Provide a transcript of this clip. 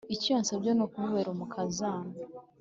icyo yansabye nukumubera umukazana